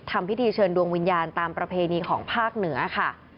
ทำพิธีเชิญดวงวิญญาณตามประเพณีของภาคเหนือค่ะ